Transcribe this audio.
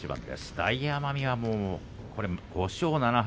大奄美は５勝７敗。